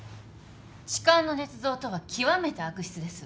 痴漢の捏造とは極めて悪質です。